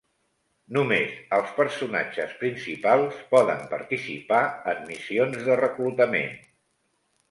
Només els personatges principals poden participar en missions de reclutament.